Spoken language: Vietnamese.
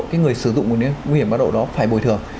cái người sử dụng nguồn nguy hiểm cao độ đó phải bồi thường